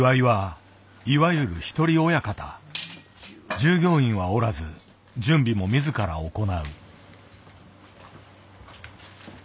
従業員はおらず準備も自ら行う。